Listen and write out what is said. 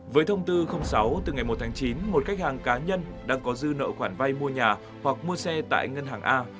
với thông tư sáu từ ngày một tháng chín một khách hàng cá nhân đang có dư nợ khoản vay mua nhà hoặc mua xe tại ngân hàng a